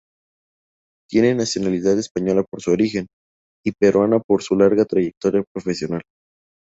Tiene nacionalidad española por su origen y peruana por su larga trayectoria profesional.